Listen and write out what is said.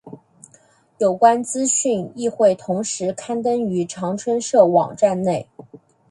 有关资讯亦会同时刊登于长春社网站内。